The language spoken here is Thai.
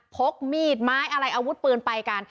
พกมีดไม้อะไรอาวุธปืนไปกัน